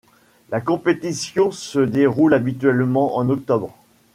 La compétition se déroule habituellement en octobre.